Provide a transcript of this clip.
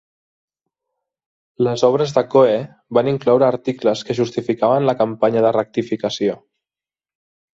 Les obres de Coe van incloure articles que justificaven la campanya de rectificació.